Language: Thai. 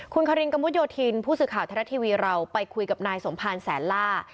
คุณคารินกระมุดโยธินผู้สื่อข่าวไทยรัฐทีวีเราไปคุยกับนายสมภารแสนล่า